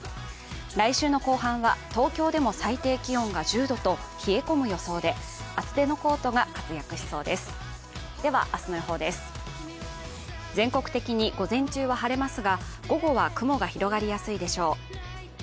来週の後半は東京でも最低気温が１０度と冷え込む予想で、厚手のコートが活躍しそうです。